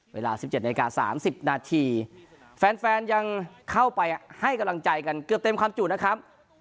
เวลา๑๗นาที๓๐นาทีแฟนยังเข้าไปให้กำลังใจกันเกือบเต็มความจุนะครับ